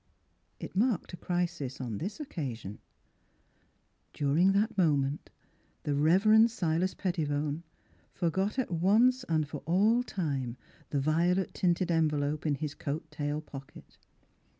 It marked a crisis on this occasion; during that moment the Rev. Silas Pettibone forgot at once and for all time the violet tinted envelope in his coat tail pocket.